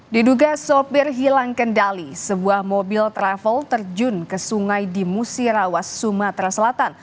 diduga sopir hilang kendali sebuah mobil travel terjun ke sungai di musirawas sumatera selatan